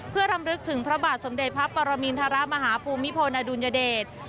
เพื่อรำลึกถึงพระบาทสมเด็จพระปรมินทรมาฮภูมิพลอดุลยเดช